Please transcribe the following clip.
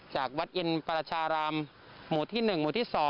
จากวัดอินประชารามหมู่ที่๑หมู่ที่๒